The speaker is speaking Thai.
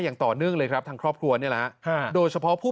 อย่างต่อเนื่องเลยครับทางครอบครัวนี่แหละฮะโดยเฉพาะผู้